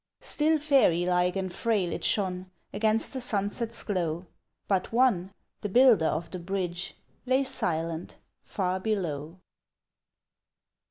Still fairy like and frail it shone Against the sunset's glow But one, the builder of the bridge, Lay silent, far below!